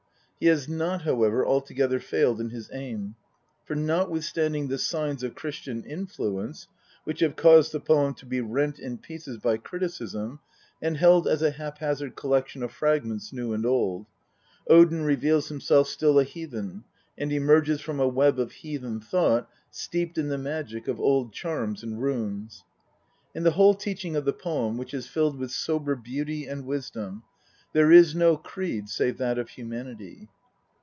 He has not, however, altogether failed in his aim. For notwithstanding the signs of Christian influence, which have caused the poem to be rent in pieces by criticism and held as a haphazard collection of fragments new and old, Odin reveals himself still a heathen, and emerges from a web of heathen thought steeped in .the magic of old charms and runes. In the whole teaching of the poem, which is filled with sober beauty and wisdom, there is no creed save that of humanity.